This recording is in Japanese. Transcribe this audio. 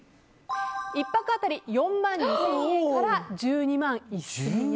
１泊当たり４万２０００円から１２万１０００円。